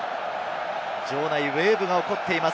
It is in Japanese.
場内、ウェーブが起こっています。